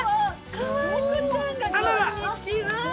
かわいこちゃんが、こんにちは。